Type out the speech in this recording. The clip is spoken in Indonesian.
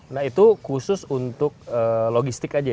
nah itu khusus untuk logistik aja ya